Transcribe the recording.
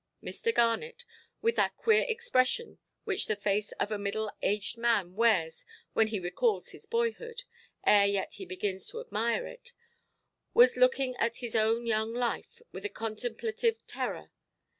Mr. Garnet, with that queer expression which the face of a middle–aged man wears when he recalls his boyhood, ere yet he begins to admire it, was looking at his own young life with a contemplative terror.